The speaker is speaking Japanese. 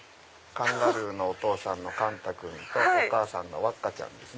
カンガルーのお父さんのカンタ君お母さんのワッカちゃんです。